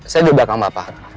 saya di belakang mbak